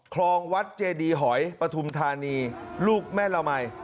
คลองวัดเจดีหอยปฐุมธานีลูกแม่ละมัย